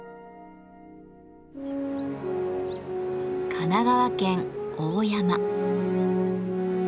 神奈川県大山。